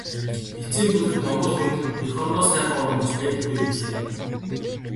Эцсийн бүлэгт Монгол хүнд эх орноос сайхан орон гэж байдаггүй юм билээ.